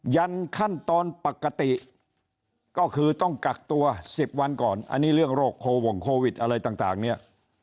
ยันขั้นตอนปกติก็คือต้องกักตัว๑๐วันก่อนอันนี้เรื่องโรคโควงโควิดอะไรต่างเนี่ย